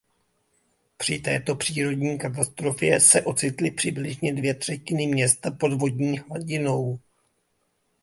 Při této přírodní katastrofě se ocitly přibližně dvě třetiny města pod vodní hladinou.